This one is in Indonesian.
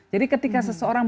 jadi ketika seseorang